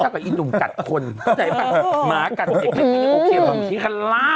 ถ้าฉันหุบปากก็เหมือนกับให้หนุ่มหยุดอ่านค้า